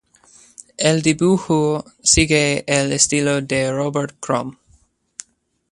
El dibujo sigue el estilo de Robert Crumb.